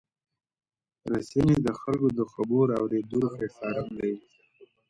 رسنۍ د خلکو د خبرو اورېدو پلیټفارم دی.